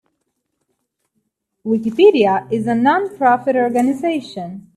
Wikipedia is a non-profit organization.